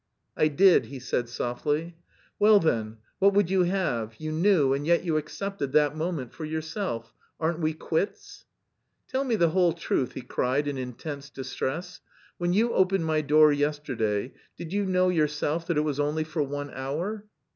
"I did," he said softly. "Well then, what would you have? You knew and yet you accepted 'that moment' for yourself. Aren't we quits?" "Tell me the whole truth," he cried in intense distress. "When you opened my door yesterday, did you know yourself that it was only for one hour?"